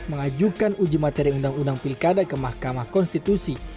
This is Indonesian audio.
mengajukan uji materi undang undang pilkada ke mahkamah konstitusi